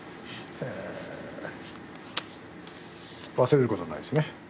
忘れることないですね？